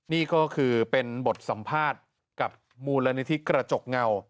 นี่ก็คือเป็นบทสัมภาษณ์กับมูลนิธิกระจกเงา